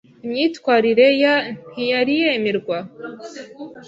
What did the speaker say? Imyitwarire ya ntiyari yemerwa.